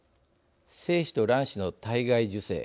精子と卵子の体外受精。